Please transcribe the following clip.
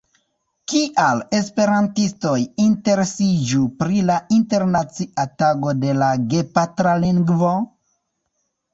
Kial esperantistoj interesiĝu pri la Internacia Tago de la Gepatra Lingvo?